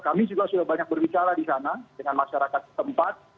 kami juga sudah banyak berbicara di sana dengan masyarakat tempat